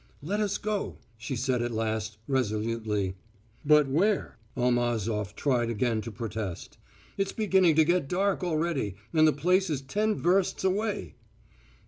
"Let us go," she said at last, resolutely. "But where?" Almazof tried again to protest. "It's beginning to get dark already, and the place is ten versts away."